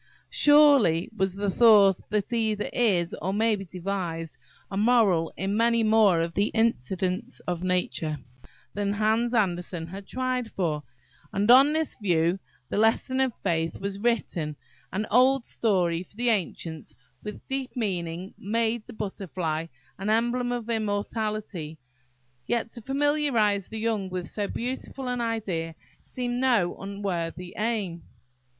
Surely, was the thought, there either is, or may be devised, a moral in many more of the incidents of nature than Hans Andersen has tried for; and on this view the "Lesson of Faith" was written–an old story; for the ancients, with deep meaning, made the butterfly an emblem of immortality–yet, to familiarise the young with so beautiful an idea seemed no unworthy aim.